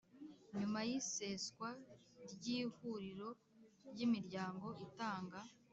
Nyuma y iseswa ry Ihuriro ry Imiryango itanga